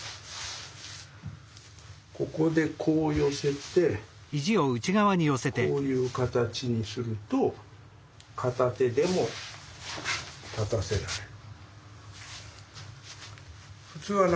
ここでこう寄せてこういう形にすると片手でも立たせられる。